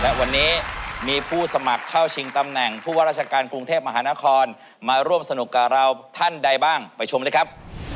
และวันนี้มีผู้สมัครเข้าชิงตำแหน่งผู้ว่าราชการกรุงเทพมหานครมาร่วมสนุกกับเราท่านใดบ้างไปชมเลยครับ